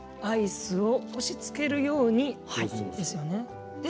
アイスを押しつけるようにですよね。